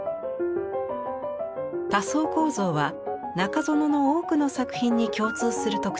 多層構造は中園の多くの作品に共通する特徴です。